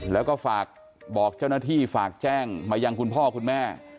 แล้วก็ฝากบอกเจ้าหน้าที่ฝากแจ้งมายังคุณพ่อคุณแม่